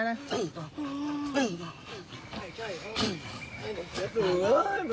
นี่น้องเจ็บหรือ